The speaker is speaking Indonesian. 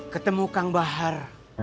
ketemu kang bahar